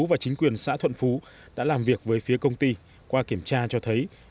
và chính quyền xã thuận phú đã làm việc với phía công ty qua kiểm tra cho thấy đường cống nổi